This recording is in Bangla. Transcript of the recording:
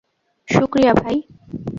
শুকরিয়া, ভাই।